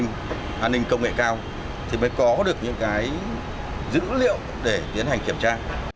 hành hình công nghệ cao thì mới có được những dữ liệu để tiến hành kiểm tra